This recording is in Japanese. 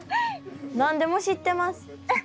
何でも知ってます。